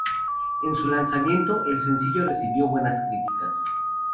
En su lanzamiento, el sencillo recibió buenas críticas.